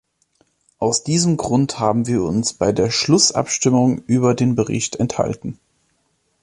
Aus diesem Grund haben wir uns bei der Schlussabstimmung über den Bericht enthalten.